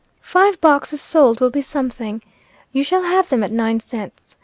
Five boxes sold will be something. You shall have them at nine cents.